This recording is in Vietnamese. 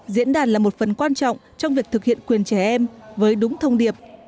diễn đàn là một phần quan trọng trong việc thực hiện quyền trẻ em với đúng thông điệp